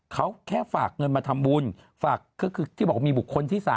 เขาแค่ฝากเงินมาทำบุญฝากก็คือที่บอกว่ามีบุคคลที่๓